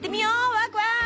ワクワク！